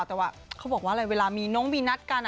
แต่ว่าเขาบอกว่าอะไรเวลามีน้องมีนัดกัน